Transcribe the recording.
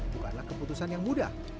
bukanlah keputusan yang mudah